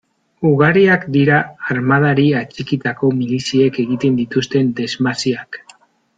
Ugariak dira armadari atxikitako miliziek egiten dituzten desmasiak.